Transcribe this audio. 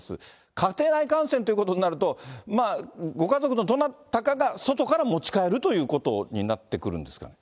家庭内感染ということになると、ご家族のどなたかが外から持ち帰るということになってくるんです